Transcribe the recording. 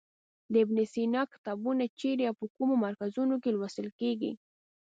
د ابن سینا کتابونه چیرې او په کومو مرکزونو کې لوستل کیږي.